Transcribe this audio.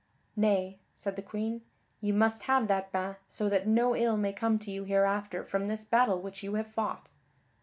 "Nay," said the Queen, "you must have that bain so that no ill may come to you hereafter from this battle which you have fought."